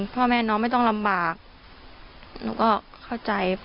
พ่อแม่น้องไม่ต้องลำบากหนูก็เข้าใจ